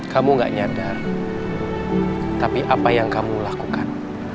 kamu gak nyadar tapi apa yang kamu lakukan